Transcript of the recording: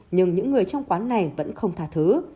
nhưng những người trong quán này vẫn không thà thứ